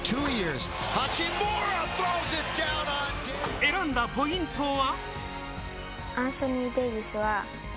選んだポイントは？